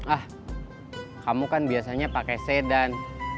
ah kamu kan biasanya pakai sedan